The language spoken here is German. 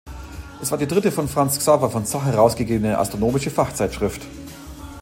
Es war die dritte von Franz Xaver von Zach herausgegebene astronomische Fachzeitschrift.